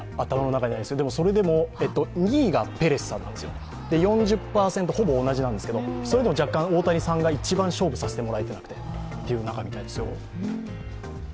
２位がペレスさんなんですよ、４０％、ほぼ同じなんですがそれでも若干、大谷さんが一番勝負させてもらえてないみたいです。